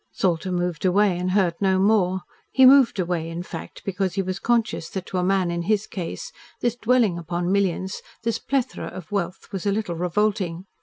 Salter moved away and heard no more. He moved away, in fact, because he was conscious that to a man in his case, this dwelling upon millions, this plethora of wealth, was a little revolting.